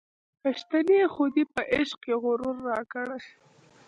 پښتنې خودۍ په عشق کي غرور راکړی